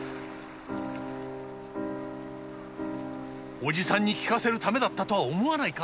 伯父さんに聞かせるためだったとは思わないか？